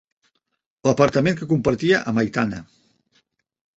L'apartament que compartia amb Aitana.